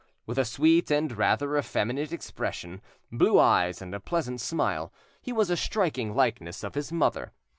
With a sweet and rather effeminate expression, blue eyes and a pleasant smile, he was a striking likeness of his mother.